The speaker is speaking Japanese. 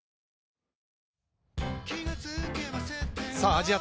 アジア